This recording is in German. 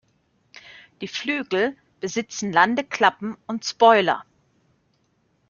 Die Flügel besitzen Landeklappen und Spoiler.